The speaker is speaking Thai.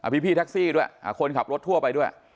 พี่แท็กซี่ด้วยคนขับรถทั่วไปด้วย